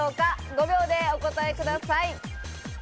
５秒でお答えください。